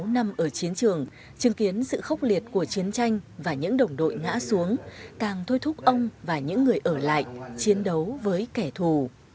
sáu năm ở chiến trường chứng kiến sự khốc liệt của chiến tranh và những đồng đội ngã xuống càng thôi thúc ông và những người ở lại chiến đấu với kẻ thù